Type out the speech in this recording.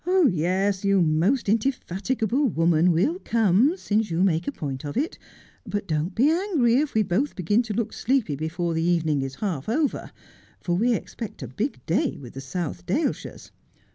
Yes, you most indefatigable woman, we'll come, since you make a point of it. But don't be angry if we both begin to look sleepy before the evening is half over, for we expect a big day with the South Daleshire.